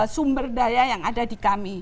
sumber daya yang ada di kami